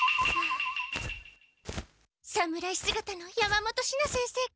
侍姿の山本シナ先生か。